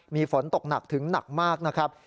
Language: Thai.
มีฝนตกหนักถึงหนักมากนะครับ